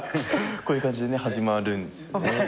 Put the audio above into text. こういう感じで始まるんですよね。